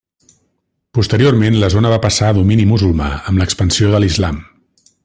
Posteriorment la zona va passar a domini musulmà amb l'expansió de l'Islam.